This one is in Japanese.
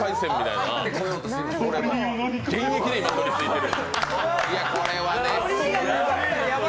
いや、これはね。